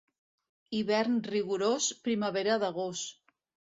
Hivern rigorós, primavera de gos.